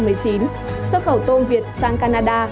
xuất khẩu tôm việt sang canada